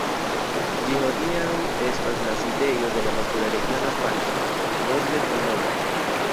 Ĝi hodiaŭ estas la sidejo de la natura regiona parko "Vosges du Nord".